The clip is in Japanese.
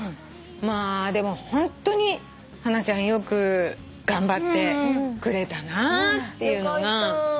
まあでもホントにハナちゃんよく頑張ってくれたなっていうのが。